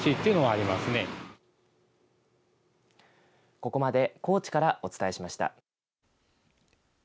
ここまで高知からお伝えしました。